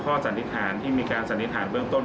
สันนิษฐานที่มีการสันนิษฐานเบื้องต้น